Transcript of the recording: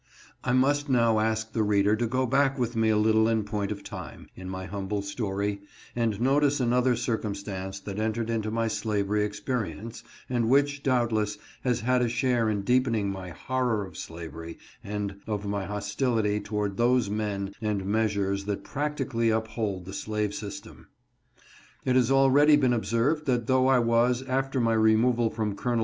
I MUST now ask the reader to go back with me a little in point of time, in my humble story, and notice another circumstance that entered into my slavery experience, and which, doubtless, has had a share in deepening my horror of slavery and of my hostility toward those men and measures that practically uphold the slave system. It has already been observed that though I was, after my removal from Col.